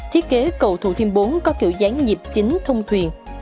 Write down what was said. thiết kế cầu thủ thêm bốn có kiểu dáng nhịp chính thông thuyền